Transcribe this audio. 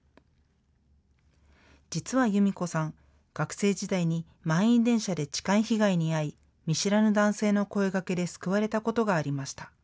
実は由美子さん、学生時代に満員電車で痴漢被害に遭い、見知らぬ男性の声がけで救われたことがありました。